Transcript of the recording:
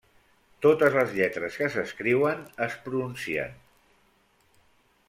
Totes les lletres que s'escriuen es pronuncien.